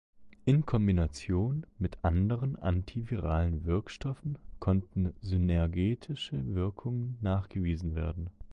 In Kombination mit anderen antiviralen Wirkstoffen konnten synergistische Wirkungen nachgewiesen werden.